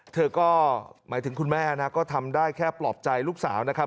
เธอก็หมายถึงคุณแม่นะก็ทำได้แค่ปลอบใจลูกสาวนะครับ